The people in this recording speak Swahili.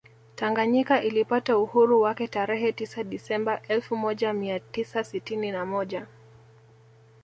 Tanganyika ilipata uhuru wake tarehe tisa Desemba elfu moja mia tisa sitini na moja